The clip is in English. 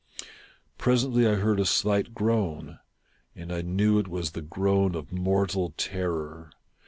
Presently I heard a slight groan, and I knew it was the groan of mortal terror.